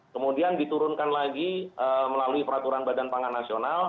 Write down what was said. kemudian diturunkan lagi melalui peraturan badan pangan nasional